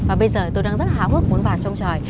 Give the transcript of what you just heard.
và bây giờ tôi đang rất háo hức muốn vào trong tròi